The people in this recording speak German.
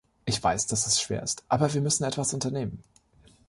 Ich weiß, dass es schwer ist, aber wir müssen etwas unternehmen.